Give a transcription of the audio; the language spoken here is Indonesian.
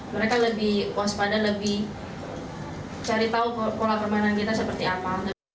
mereka lebih waspada lebih cari tahu pola permainan kita seperti apa